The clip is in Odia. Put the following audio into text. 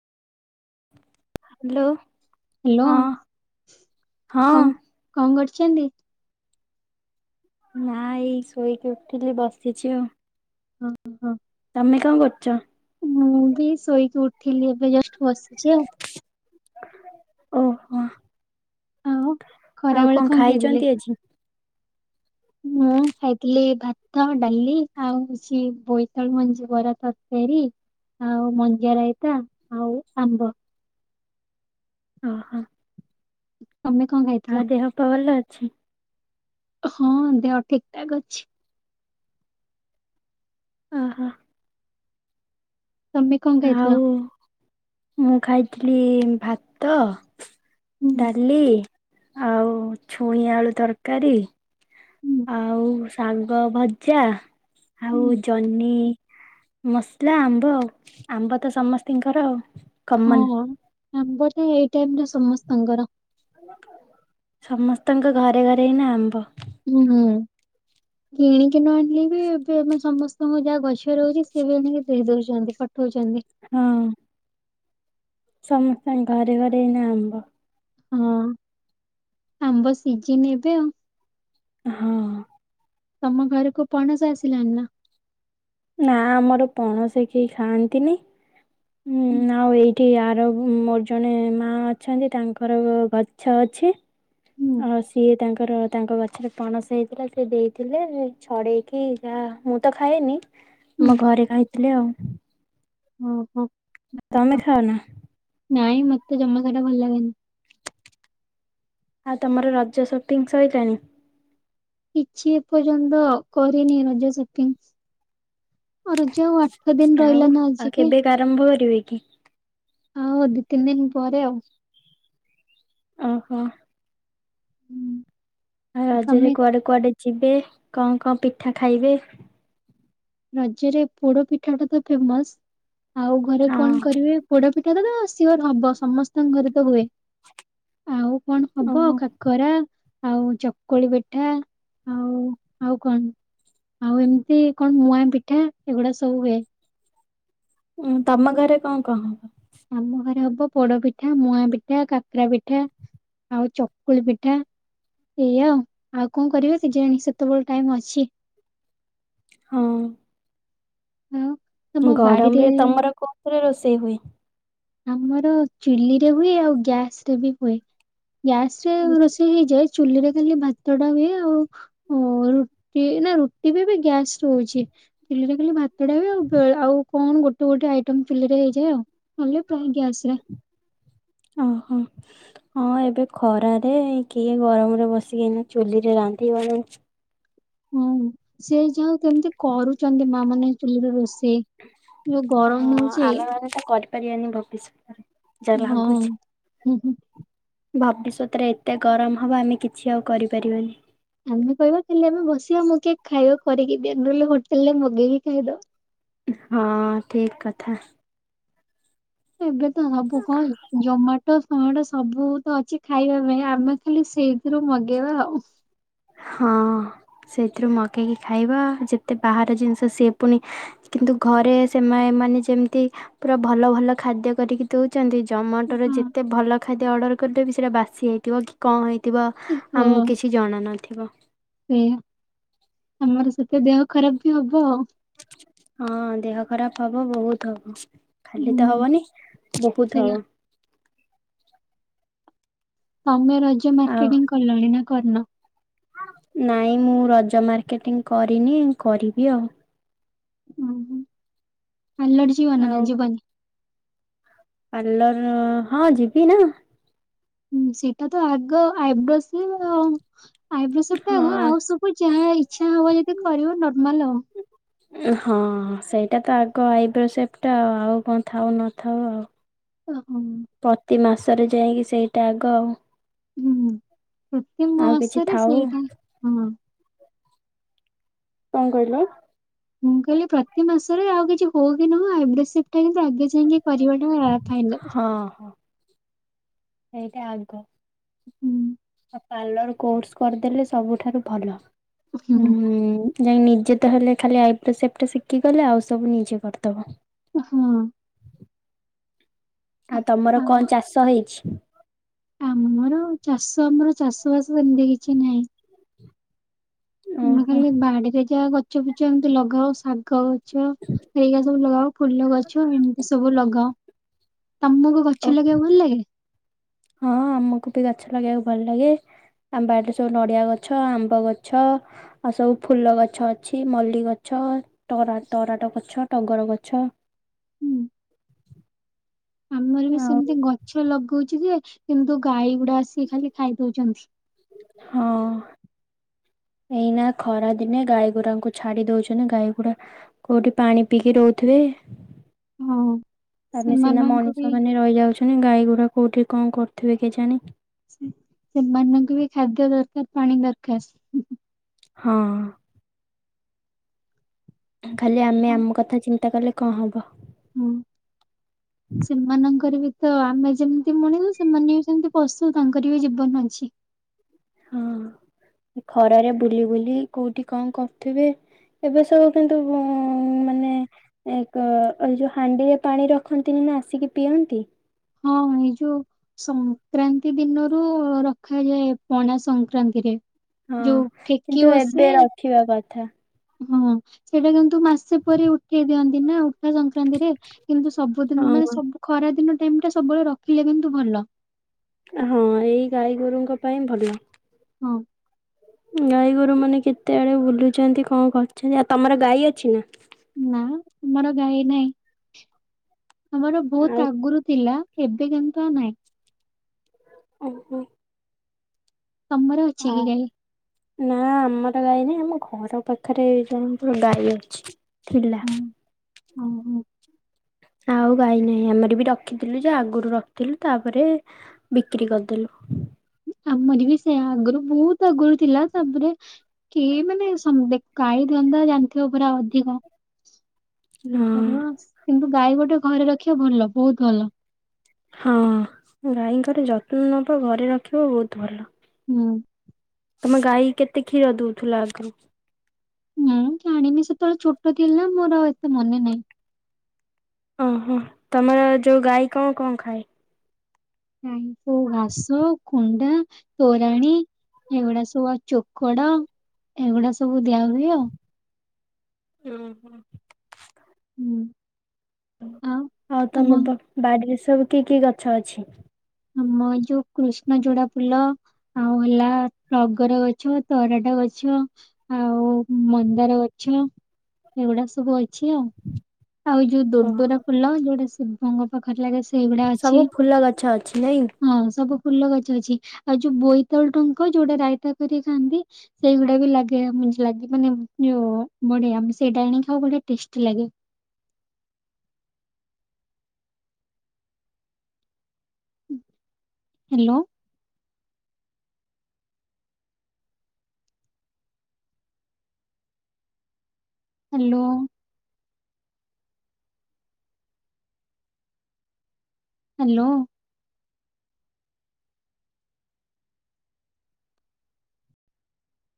ହାଲୋ ହାଲୋ ହଁ କଣ କଣ କରୁଚନ୍ତି? ନା ଏଇ ଶୋଇକି ଉଠିଲି ବସିଛି ଆଉ। ହୁଁ ହୁଁ। ତମେ କଣ କରୁଛ? ମୁଁ ବି ଶୋଇକି ଉଠଥିଲି ଏବେ ଜଷ୍ଟ ବସିଛି ଆଉ ଓହୋ। ଆ ଆଉ ଖରାବେଳେ କଣ ଖାଇଥିଲେ? ଖାଇଛନ୍ତି ଆଜି? ମୁଁ ଖାଇଥିଲି ଭାତ ଡାଲି ଆଉଛି ବୋଇତାଳ ମଞ୍ଜି ବରା ତତେ ରି ଆଉ ମଞ୍ଜି ରାଇତା ଆଉ ଆମ୍ବ। ଓହୋ। ତମେ କଣ ଖାଇଥିଲ? ଆଁ ଦେହ ପା ଭଲ ଅଛି। ହଁ ଦେହ ଠିକ୍‌ ଠାକ୍‌ ଅଛି। ଓହୋ। ତମେ କଣ କହିଥିଲ? ଆଉ ମୁଁ ଖାଇଥିଲି ଭାତ ହୁଁ ଡାଲି ଆଉ ଛୁଇଁ ଆଳୁ ତରକାରୀ ହୁଁ ଆଉ ଶାଗ ଭଜା ଆଉ ହୁଁ ଜହ୍ନି ମସଲା ଆମ୍ବ ଆଉ ଆମ୍ବ ତ ସମସ୍ତଙ୍କର ଆଉ ହଁ କମନ ଆମ୍ବ ତ ଏଇ ଟାଇମ୍ ରେ ସମସ୍ତଙ୍କର ସମସ୍ତଙ୍କ ଘରେ ଘରେ ଏଇନା ଆମ୍ବ। ହୁଁ ହୁଁ କିଣିକି ନ ଆଣିଲି ବି ଏବେ ଆମେ ସମସ୍ ତୁ ଯାହା ଗଛ ରହୁଛି ସି ବିକି ଦେଇ ଦଉଛନ୍ତି। ପଠଉଛନ୍ତି। ହଁ। ସମସ୍ତଙ୍କ ଘରେ ଘରେ ଏଇନା ଆମ୍ବ। ହଁ ଆମ୍ବ ସିଝିନି ଏବେ ଆଉ ହଁ। ତମ ଘରକୁ ପଣସ ଆସିଲାଣି ନା? ନା ଆମର ପଣସ କେହି ଖାଆନ୍ତିନି ହୁଁ। ଆଉ ଏଇ ଏଠି ଆର ମୋର ଜଣେ ମା ଅଛନ୍ତି ତାଙ୍କର ଗଛ ଅଛି। ହୁଁ। ଆ ସିଏ ତାଙ୍କର ତାଙ୍କ ଗଛରେ ପଣସ ହେଇଥିଲା ସେ ଦେଇଥିଲେ ଛଡେଇକି ଯାହା ମୁଁ ତ ଖାଏନି ହୁଁ ମୋ ଘରେ ଖାଇଥିଲେ ଆଉ ଓହୋ। ତମେ ଖାଅ ନା? ନାଇଁ ମତେ ଜମା ସେଇଟା ଭଲ ଲାଗେନି। ହଁ ତମର ରଜ ସୁଟିଂ ସଇଲାଣି? କିଛି ଏ ପର୍ଯ୍ୟନ୍ତ କରିନି ରଜ ସପିଂ ରଜ ଆଠ ଦିନ ରହିଲା ଆଉ ନା ଆଉ ଆଜିକି କେବେକା ଆରମ୍ଭ କରିବେ କି? ଆଉ ଦି ତିନି ଦିନ ପରେ ଆଉ ଓହୋ। ହୁଁ। ଆଉ ରଜରେ ତମେ କୁଆଡେ କୁଆଡେ ଯିବେ? କଣ କଣ ପିଠା ଖାଇବେ? ରଜରେ ପୋଡ ପିଠା ଟା ତ ଫେମସ ଆଉ ଘରେ ହଁ କଣ କରିବେ ପୋଡ ପି ଏଟାତ ସିଓର୍‌ ହବ ସମସ୍ତଙ୍କ ଘରେ ତ ହୁଏ। ଆଉ କଣ ହବ ଓହୋ କାକରା ଆଉ ଚକୁଳି ପିଠା ଆଉ ଆଉ କଣ ଆଉ ଏମିତି କଣ ମୁୂଆଁ ପିଠା ଏଗୁଡା ସବୁ ହୁଏ। ଉଁ ତମ ଘରେ କଣ କଣ ହବ? ଆମ ଘରେ ହବ ପୋଡପିଠା ମୁଆଁ ପିଠା କାକରା ପିଠା ଆଉ ଚକୁଳି ପିଠା ଏଇଆଉ ଆଉ କଣ କରିବେ କେଜାଣି ସେତେବେଳେ ଟାଇମ୍ ଅଛି। ହଁ। ଆଉ ତମ ଗରମ ବାଡିରେ ରେ ତମର କୋଉ ଘରେ ରୋଷେଇ ହୁଏ? ଆମର ଚୁଲି ରେ ହୁଏ ଆଉ ଗ୍ୟାସ ରେ ବି ହୁଏ। ଗ୍ୟାସ ରେ ରୋଷେଇ ହେଇଯାଇ ଚୁଲିରେ ଖାଲି ଭାତ ଟା ହୁଏ ଆଉ ରୁଟି ନା ରୁଟି ବି ଏବେ ଗ୍ୟାସ ହଉଛି। ଚୁଲରେ ଖାଲି ଭାତଟା ହୁଏ କଣ ଗୋଟେ ଗୋଟେ ଆଇଟମ ଚୁଲିରେ ହେଇଯାଏ ଆଉ ନହେଲେ ପ୍ରାୟ ଗ୍ୟାସ ରେ ଓହୋ। ହଁ ଏବେ ଖରାରେ କିଏ ଗରମରେ ବସିକିନା ଚୁଲିରେ ରାନ୍ଧି [inaudible] ହୁଁ ସେ ଯଉ କେମିତି କରୁଛନ୍ତି ମା ମାନେ ଚୁଲିରେ ରୋଷେଇ? ସେ ଯଉ ଗରମ ହଉଛ। ପରିନୀ ଭବି ସ ହଁ ହୁଁ ହୁଁ। ଭବିଷ୍ୟତରେ ଏତେ ଗରମ ହବ ଆମେ କିଛି ଆଉ କରିପାରିବାନି। ଆମେ କହିବା ଖାଲି ଆମେ ବସିବା ମୁଁ କିଏ ଖାଇବା କରିକି ହୋଟେଲରେ ମଗେଇକି ଖାଇଦବା। ହଁ ଠିକ କଥା। ଏବେ ତ ସବୁ କଣ ଜମାଟୋ ଫମାଟ ସବୁ ତ ଅଛି ଖାଇବା ପାଇଁ ଆମେ ଖାଲି ସେଇଥିରୁ ମଗେଇବା ଆଉ। ହଁ ସେଥିରୁ ମଗେଇକି ଖାଇବା ଯେତେ ବାହାର ଜିନିଷ ସି ପୁଣି କିନ୍ତୁ ଘରେ ସେମାନେମାନେ ଯେମିତି ପୁରା ଭଲ ଭଲ ଖାଦ୍ୟ କରିକି ଦେଉଛନ୍ତି ଜମାଟୋର ଯେ ହଁ ଏତେ ଭଲ ଖାଦ୍ୟ ଅର୍ଡର କରିଦେବି ସେଇଟା ବାସି ହେଇଥିବ କି କଣ ହେଇଥିବ। ଥିବା ଆମକୁ କିଛି ଜଣ ନଥିବ। ସେ ଆମର ସେତ ଦେହ ଖରାପ ବି ହବ ଆଉ। ହଁ ଦେହ ଖରାପ ହବ ବହୁତ ଖାଲି ତ ହୁଁ ହବନି ବହୁତ ସେଇଆ ହବ। ତମେ ରଜ ଆଉ ମାର୍କେଟିଂ କଲଣି ନା କରିନ? ନାଇଁ ମୁଁ ରଜ ମାର୍କେଟିଂ କରିନି କରିବି ଆଉ। ଓହୋ ପାଲର ଯିବନା ଆଉ ନା ଯିବନି? ପାର୍ଲର ହଁ ଯିବି ନା। ହଁ ସେଇଟା ତ ଆଗ ଆଇବ୍ରୋସେଭ ଆଉ। ଆଇବ୍ରୋ ସେଭଟା ଆଗ ହଁ ଆଉ ସବୁ ଯାହା ଇଚ୍ଛା ହବ ଯଦି କରିବ ନର୍ମାଲ ଆଉ। ହଁ ସେଇଟା ତ ଆଗ ଆଇବ୍ରୋ ସେପ୍ ଟା ଆଉ କଣ ଥାଉ ନଥାଉ ଆଉ। ହ ହ। ତାପରେ ଯାଇକି ସେଇଟା ଆଗ ଆଉ। ହୁଁ ପ୍ରତି ଆଉ କିଛି ମାସରେ ଥାଉ। ସେଇଟା ହଁ। କଣ କହିଲ? ମୁଁ କହିଲି ପ୍ରତି ମାସରେ ଆଉ କିଛି ହଉ କି ନହୋଉ ଆଇବ୍ରୋ ସେପ୍ ଟା ଆଗେ ଯାଇକି କରିଟା ଫାଇନାଲ। ଏଇଟା ଆଗ। ହୁଁ। ପାର୍ଲର କୋର୍ସ କରିଦେଲେ ସବୁଠାରୁ ଭଲ ହଁ। ହୁଁ ଯାଇଁକି ନିଜେ ତ ହେଲେ ଖାଲି ଆଇବ୍ରୋ ସେପ୍ ଟା ଶିଖି ଗଲେ ଆଉ ସବୁ ନିଜେ କରିଦବ। ହଁ। ଆଉ ତମର କଣ ଚାଷ ହେଇଛି? ଚାଷବାସ ସେମତି କିଛି ନାହିଁ। ତମେ ଓହୋ ଖାଲି ବାଡିରେ ଯାହା ଗଛ ଫଛ ଏମିତି ଲଗା ସା ଗ ଗଛ ଏଇଆ ସବୁ ଲଗାଉ ଫୁଲ ଗଛ ଏମିତି ସବୁ ଲଗାଉ। ତମକୁ ଗଛ ଲଗେଇବାକୁ ଭଲ ଲାଗେ? ହଁ ଆମକୁ ବି ଗଛ ଲଗେଇବାକୁ ଭଲ ଲାଗେ। ଆମ ବାଡିରେ ସବୁ ନଡିଆ ଗଛ ଆମ୍ବ ଗଛ ଆଉ ସବୁ ଫୁଲ ଗଛ ଅଛି ମଲ୍ଲି ଗଛ। [unintelligible] ଟରା ଟରାଟ ଗଛ ଟଗର ଗଛ ହୁଁ। ଆମର ବି ଆଉ ସେମିତି ଗଛ ଲଗଉଛୁ ଯେ କିନ୍ତୁ ଗାଈ ଗୁଡା ଆସିକି ଖାଲି ଖାଇ ଦଉଛନ୍ତି। ହଁ ଏଇନା ଖରା ଦିନେ ଗାଈଗୁରାଙ୍କୁ ଛାଡି ଦଉଛନ୍ତି। ଗାଈଗୁଡା କୋଉଠି ପାଣି ପିଇକି ରହୁଥି ଥୁବେ। ହଁ। ଆମେ ସିନା ସେମାନଙ୍କୁ ବି ମଣିଷ ମାନେ ରହିଯାଉଛନ୍ତି ଗାଈଗୁରା କୋଉଠି କଣ କରୁଥିବେ କେଜାଣି। ସେମାନଙ୍କୁ ବି ଖାଦ୍ୟ ଦରକାର ପାଣି ଦରକାର। ହଁ। ଖାଲି ଆମେ ଆମ କଥା ଚିନ୍ତା କଲେ କଣ ହବ? ହୁଁ। ସେମାନଙ୍କର ବି ତ ଆମେ ଯେମିତି ମଣିଷ ସେମାନେ ବି ସେମତି ପଶୁ ତାଙ୍କର ବି ଜୀବନ ଅଛି। [unintelligible] ହଁ ଖରାରେ ବୁଲି ବୁଲି କୋଉଠି କଣ କରୁଥିବେ। ଏବେ ସବୁ କିନ୍ତୁ ଉଁ ମାନେ ଏକ ଏ ଯୋଉ ହାଣ୍ଡିରେ ପାଣି ରଖନ୍ତିନି ଆସିକି ପିଅନ୍ତି। ହଁ। ଏଇ ଯୋଉ ସଂକ୍କ୍ରାନ୍ତି ଦିନରୁ ରଖାଯାଏ। ପଣା ସଂକ୍ରାନ୍ତିରେ। ହଁ ଯୋଉ କିନ୍ତୁ ଠେକି ଏବେ ବସେ ରଖିବା କଥା। ହଁ ସେଇଟା କିନ୍ତୁ ମାସେ ପରେ ଉଠେଇ ଦିଅନ୍ତି ନା ଉଠା ସଂକ୍ରାନ୍ତିରେ କିନ୍ତୁ ସବୁଦିନ ମାନେ ହଁ ସବୁ ଖରା ଦିନ ଟାଇମ ଟା ସବୁବେଳେ ରଖିଲେ କିନ୍ତୁ ଭଲ। ହଁ ଏଇ ଗାଈ ଗୋରୁଙ୍କ ପାଇଁ ଭଲ। ହଁ। ଗାଈଗୋରୁମାନେ କେତେ ଆଡ଼େ ବୁଲୁଛନ୍ତି କଣ କରୁଛନ୍ତି ଆଉ ତମର ଗାଈ ଅଛି ନା? ନା ଆମର ଗାଈ ନାହିଁ। ଆମର ବହୁତ ଆଉ ଆଗରୁ ଥିଲା ଏବେ କିନ୍ତୁ ଆଉ ନାଇଁ। ଓହୋ। ତମର ଆ ଅଛି କି ଗାଇ? ନା ଆମର ଗାଈ ନାଇଁ ଆମ ଘର ପାଖରେ ଜଣଙ୍କର ଗାଈ ଅଛି। ଥିଲା। ହଁ ହଁ ଆଉ ଗାଇ ନାହିଁ ଆମର ବି ରଖିଥିଲୁ ଯେ ଆଗରୁ ରଖିଥିଲୁ ତାପରେ ବିକ୍ରି କରିଦେଲୁ। ଆମର ବି ସେ ଆଗରୁ ବହୁତ ଆଗରୁ ଥିଲା ତାପରେ କିଏ ମାନେ ସମ୍ ଦେଖ ଗାଈ ଧନ୍ଦା ଜାଣିଥିବ ପୁରା ଅଧିକ ଇଏ ହଁ କରିବ କିନ୍ତୁ ଗାଈ ଗୋଟେ ଘରେ ରଖିବା ଭଲ ବହୁତ ଭଲ। ହଁ ଗାଈଙ୍କର ଯତ୍ନ ନବା ଘରେ ରଖିବା ବହୁତ ଭଲ। ହୁଁ। ତମେ ଗାଈ କେତେ କ୍ଷୀର ଦଉଥିଲ ଆଗରୁ? ମୁଁ ଜାଣିନି ସେତେବେଳେ ଛୋଟ ଥିଲି ନା ମୋର ଆଉ ଏତେ ମନେ ନାହିଁ। ଓହୋ ତମର ଯୋଉ ଗାଈ କଣ କଣ ଖାଏ? ଗାଈଙ୍କୁ ଘାସ କୁଣ୍ଡା ତୋରାଣୀ ଏଗୁଡା ସବୁ ଅ ଚୋକଡ ଏଗୁଡା ସବୁ ଦିଆ ହୁଏ ଆଉ। ହୁଁ ହୁଁ। ହୁଁ। ଆଉ ତମ ବାଡିରେ ସବୁ କି କି ଗଛ ଅଛି? ଆମ ଏ ଯୋଉ କୃଷ୍ଣ ଚୁଡା ଫୁଲ ଆଉ ହେଲା ଟଗର ଗଛ ତରାଟ ଗଛ। ଛ ଆଉ ମନ୍ଦାର ଗଛ ଏଗୁଡା ସବୁ ଅ ଛି ଆଉ ଆଉ ଯୋଉ ଓ ଦୂରଦୂରା ଫୁଲ ଯୋଉଟା ଶିବଙ୍କ ପାଖରେ ଲାଗେ। ସେଇଗୁଡା ସବୁ ଅଛି। ଫୁଲ ଗଛ ଅଛି ନାଇଁ? ହଁ ସବୁ ଫୁଲ ଗଛ ଅଛି। ଆଉ ଯୋଉ ବୋଇତାଳୁ ଡଙ୍କ ଯୋଉଟା ରାଇତା କରିକି ଖାଆନ୍ତି ସେଇଗୁଡା ବି ଲାଗେ ଲାଗେ ମାନେ ଜଉ ବଢ଼ିଆ ସେଇଟାଆଣି ଖାଉ ବଢିଆ ଟେଷ୍ଟି ଲାଗେ। [inaudible] ହ୍ୟାଲୋ। ହ୍ୟାଲୋ। ହ୍ୟାଲୋ।